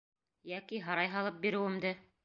Йәки һарай һалып биреүемде?